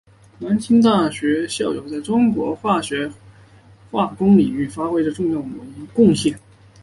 南京大学校友在中国化学化工领域发挥着重要的贡献。